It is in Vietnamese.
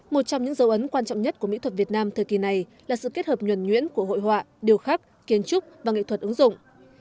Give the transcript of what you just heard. một trong những dấu ấn quan trọng nhất của mỹ thuật việt nam thời kỳ này là sự kết hợp nhuẩn nhuyễn của hội họa điều khắc kiến trúc và nghệ thuật ứng dụng